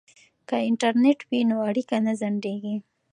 که انټرنیټ وي نو اړیکه نه ځنډیږي.